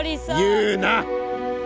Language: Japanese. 言うな！